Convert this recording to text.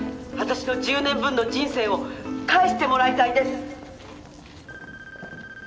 「私の１０年分の人生を返してもらいたいです」